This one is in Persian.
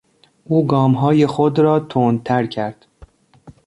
او گامهای خود را تندتر کرد.